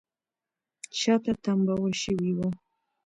شاته تمبول شوې وه